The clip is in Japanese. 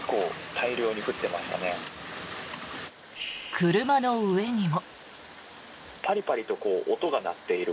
車の上にも。